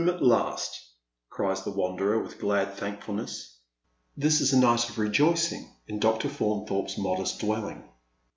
" Home at last," cries the wanderer, with glad thankfulness. This is a night of rejoicing in Dr. Faunthorpe's modest dwelling.